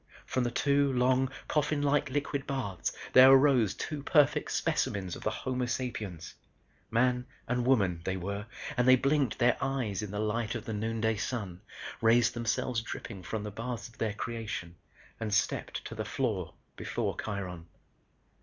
From the two long, coffin like liquid baths, there arose two perfect specimens of the Homo sapiens. Man and woman, they were, and they blinked their eyes in the light of the noonday sun, raised themselves dripping from the baths of their creation and stepped to the floor before Kiron.